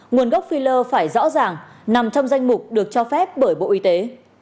nguồn gốc filler phải rõ ràng nằm trong danh mục được cho phép bởi bộ y tế